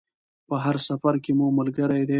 په هر سفر کې مو ملګرې ده.